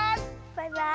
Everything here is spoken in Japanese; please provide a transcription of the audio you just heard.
バイバイ。